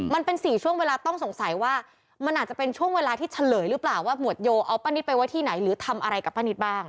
มันเป็น๔ช่วงเวลาต้องสงสัยว่ามันอาจจะเป็นช่วงเวลาที่เฉลยหรือเปล่าว่าหมวดโยเอาป้านิตไปไว้ที่ไหนหรือทำอะไรกับป้านิตบ้าง